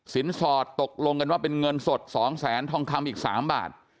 สินสอดตกลงกันว่าเป็นเงินสด๒๐๐๐๐๐บาททองคำอีก๓บาท